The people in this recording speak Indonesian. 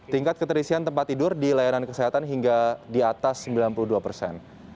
tingkat keterisian tempat tidur di layanan kesehatan hingga di atas sembilan puluh dua persen